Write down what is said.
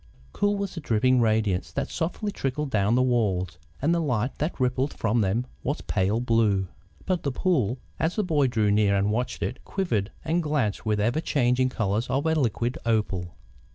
Cool was the dripping radiance that softly trickled down the walls, and the light that rippled from them was pale blue. But the pool, as the boy drew near and watched it, quivered and glanced with the ever changing colours of a liquid opal.